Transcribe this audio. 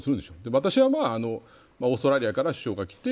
私はオーストラリアから首相が来て